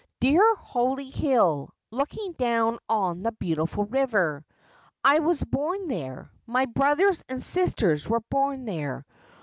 Dear Holly Hill, looking down on the beautiful river. I was born there, my brothers and sisters were born there.'